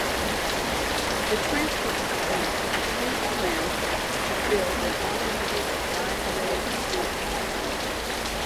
The transport department has approved plans to build an Automated Guideway Transit line.